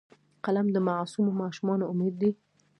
قلم د معصومو ماشومانو امید دی